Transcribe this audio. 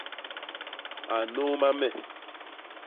A nnôôma me.